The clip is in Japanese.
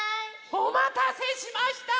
おまたせしました！